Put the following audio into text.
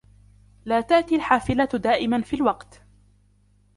لا تأتي الحافلة دائما في الوقت.